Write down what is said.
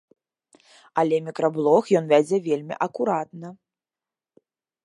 Але мікраблог ён вядзе вельмі акуратна.